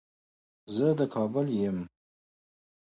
The spruces and firs emphasize the nakedness of all the other trees.